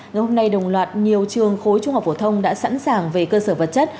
ngày hôm nay đồng loạt nhiều trường khối trung học phổ thông đã sẵn sàng về cơ sở vật chất